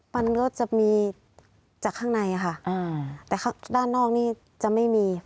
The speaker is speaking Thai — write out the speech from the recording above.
มันก็จะมีจากข้างในค่ะแต่ข้างนอกนี่จะไม่มี